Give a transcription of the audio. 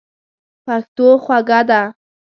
پښتو خوږه ده.